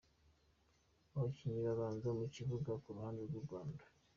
Abakinnyi babanza mu kibuga ku ruhande rw’u Rwanda: